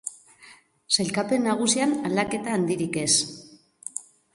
Sailkapen nagusian, aldaketa handirik ez.